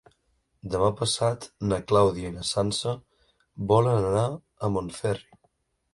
Demà passat na Clàudia i na Sança volen anar a Montferri.